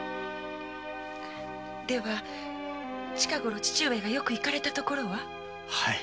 では近ごろ父上がよく行かれた所は？